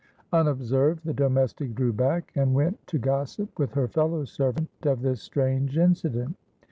Unobserved, the domestic drew back, and went to gossip with her fellow servant of this strange incident.